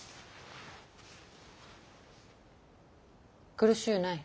苦しうない。